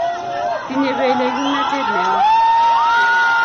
Tinyei belek kimnatet neo